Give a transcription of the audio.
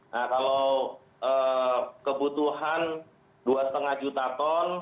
nah kalau kebutuhan dua lima juta ton